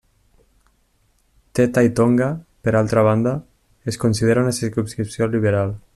Te Tai Tonga, per altra banda, es considera una circumscripció liberal.